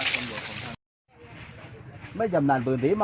สวัสดีครับคุณผู้ชม